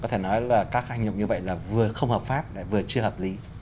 có thể nói là các hành động như vậy là vừa không hợp pháp và vừa chưa hợp lý